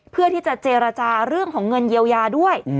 เพื่อที่จะเจรจาเรื่องของเงินเยียวยาด้วย